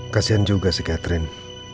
kasian juga si catherine